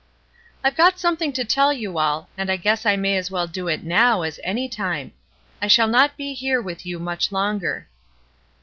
"I've got something to tell you all, and I guess I may as well do it now as any time. I shall not be here with you much longer."